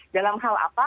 dalam hal apa